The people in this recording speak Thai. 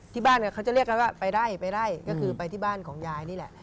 บ้านเขาจะเรียกกันว่าไปไล่ไปไล่ก็คือไปที่บ้านของยายนี่แหละ